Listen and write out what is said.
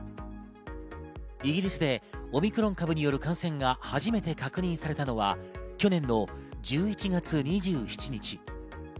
イギリスでオミクロン株による感染が初めて確認されたのは去年の１１月２７日。